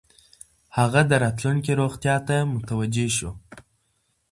هغه د راتلونکې روغتیا ته متوجه شو.